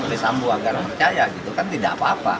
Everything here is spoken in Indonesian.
oleh sambu agar percaya gitu kan tidak apa apa